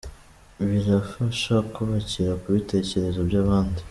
birafasha kubakira kubitekerezo byabandi.